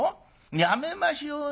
やめましょうよ。